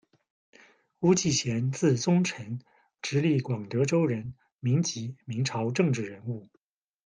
巫继咸，字宗臣，直隶广德州人，民籍，明朝政治人物。